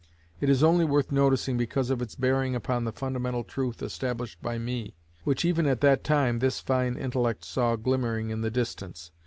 It is only worth noticing because of its bearing upon the fundamental truth established by me, which even at that time this fine intellect saw glimmering in the distance.